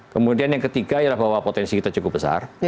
kemudian yang ketiga adalah bahwa potensi kita cukup besar